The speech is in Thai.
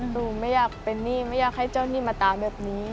หนูไม่อยากเป็นหนี้ไม่อยากให้เจ้าหนี้มาตามแบบนี้